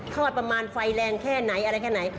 ทอดประมาณไฟแรงแค่ไหนอะไรแค่ไหน